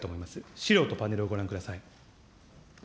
資料とパネルをご覧ください。